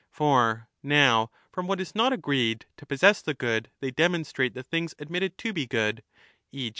For now from what is not agreed to possess the good they demonstrate the things admitted to be good, e.